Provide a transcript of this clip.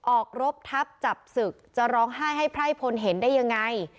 ออกรบทับจับศึกจะร้องไห้ให้ไพร่พลเห็นได้ยังไง